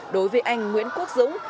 đối với anh nguyễn quốc dũng